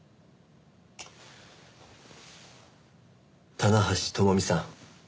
棚橋智美さん。